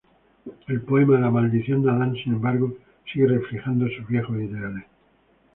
El poema "La maldición de Adán", sin embargo, sigue reflejando sus viejos ideales.